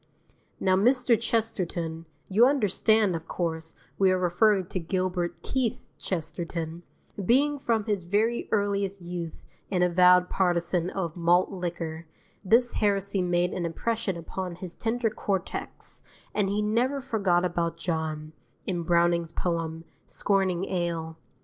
Now Mr. Chesterton you understand, of course, we are referring to Gilbert Keith Chesterton being from his very earliest youth an avowed partisan of malt liquor, this heresy made an impression upon his tender cortex, and he never forgot about John, in Browning's poem, scorning ale.